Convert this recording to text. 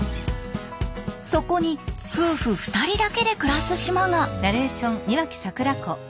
そこに夫婦２人だけで暮らす島が。